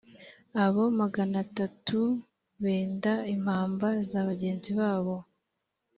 abo magana atatu benda impamba za bagenzi babo.